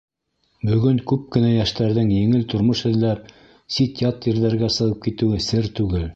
Бөгөн күп кенә йәштәрҙең еңел тормош эҙләп сит-ят ерҙәргә сығып китеүе сер түгел.